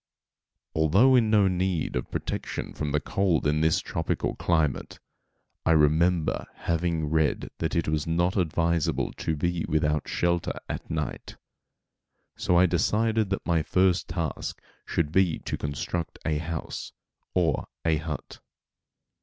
Although in no need of protection from cold in this tropical climate, I remembered having read that it was not advisable to be without shelter at night, so I decided that my first task should be to construct a house, or a hut.